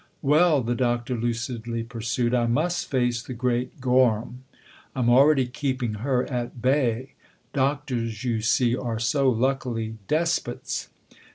Well," the Doctor lucidly pursued, " I must face the great Gorham. I'm already keeping her at bay doctors, you see, are so luckily despots